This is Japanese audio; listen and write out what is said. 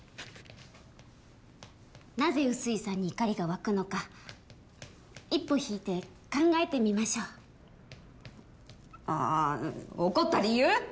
なぜ薄井さんに怒りが湧くのか一歩引いて考えてみましょうああー怒った理由？